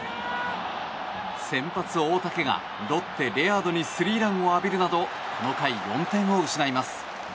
先発、大竹がロッテ、レアードにスリーランを浴びるなどこの回４点を失います。